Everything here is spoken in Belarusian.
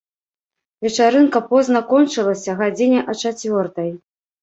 Вечарынка позна кончылася, гадзіне а чацвёртай.